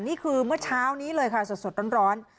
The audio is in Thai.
นี่คือเมื่อเช้านี้เลยค่ะสดร้อน